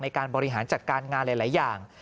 บริหารจัดการงานหลายอย่าง